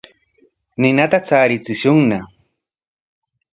Ninata charichishunña.